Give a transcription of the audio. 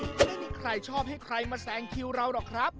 ก็ไม่มีใครชอบให้ใครมาแซงคิวเราหรอกครับ